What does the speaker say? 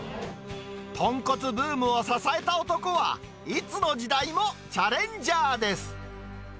とんこつブームを支えた男は、いつの時代もチャレンジャーです。